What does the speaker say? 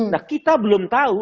nah kita belum tahu